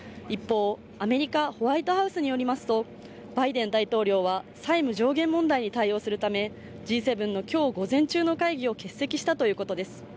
一方、アメリカホワイトハウスによりますと、バイデン大統領は、債務上限問題に対応するため、Ｇ７の今日午前中の会議を欠席したということです。